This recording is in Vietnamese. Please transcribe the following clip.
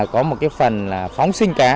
có một phần phóng sinh cá